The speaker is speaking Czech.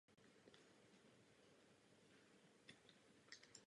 Po návratu si otevřela vlastní ateliér.